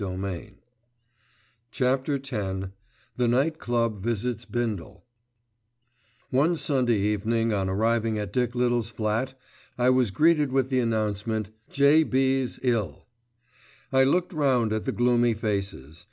*CHAPTER X* *THE NIGHT CLUB VISITS BINDLE* One Sunday evening on arriving at Dick Little's flat I was greeted with the announcement "J.B.'s ill." I looked round at the gloomy faces.